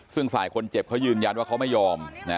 ซึ่งฝ่ายคนเจ็บเขายืนยันว่าเขาไม่ยอม